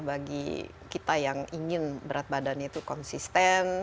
bagi kita yang ingin berat badannya itu konsisten